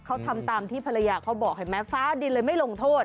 เขาทำตามที่ภรรยาเขาบอกเห็นไหมฟ้าดินเลยไม่ลงโทษ